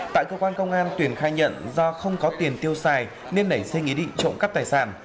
tại cơ quan công an tuyền khai nhận do không có tiền tiêu xài nên nảy sinh ý định trộm cắp tài sản